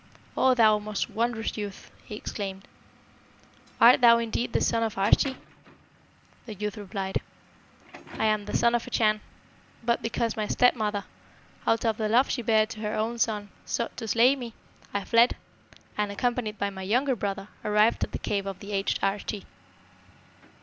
'O thou most wondrous youth!' he exclaimed, 'art thou indeed the son of Arschi?' The youth replied, 'I am the Son of a Chan. But because my stepmother, out of the love she bare to her own son, sought to slay me, I fled, and, accompanied by my younger brother, arrived at the cave of the aged Arschi.'